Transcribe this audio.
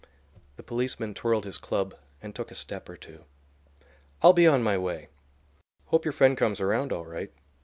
The policeman twirled his club and took a step or two. "I'll be on my way. Hope your friend comes around all right.